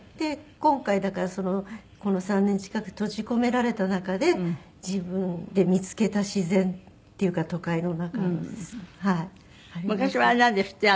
今回だからこの３年近く閉じ込められた中で自分で見付けた自然っていうか都会の中のはいあります。